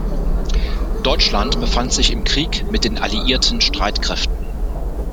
Deutschland befand sich im Krieg mit den alliierten Streitkräften.